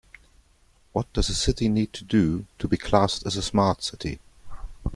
What does a city need to do to be classed as a Smart City?